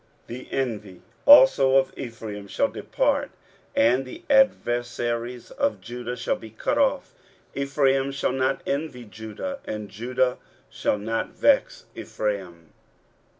23:011:013 The envy also of Ephraim shall depart, and the adversaries of Judah shall be cut off: Ephraim shall not envy Judah, and Judah shall not vex Ephraim.